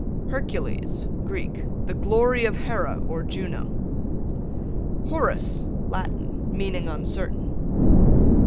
Hercules, Greek, the glory of Hera or Juno. Horace, Latin, meaning uncertain.